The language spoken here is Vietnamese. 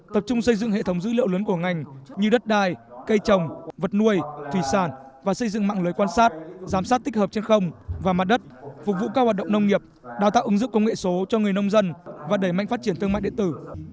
tập trung xây dựng hệ thống dữ liệu lớn của ngành như đất đai cây trồng vật nuôi thủy sản và xây dựng mạng lưới quan sát giám sát tích hợp trên không và mặt đất phục vụ các hoạt động nông nghiệp đào tạo ứng dụng công nghệ số cho người nông dân và đẩy mạnh phát triển thương mại điện tử